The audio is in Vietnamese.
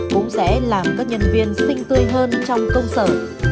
cũng sẽ làm các nhân viên sinh tươi hơn trong công sở